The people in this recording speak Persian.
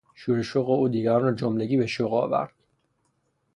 شور و شوق او دیگران را جملگی به شوق آورد.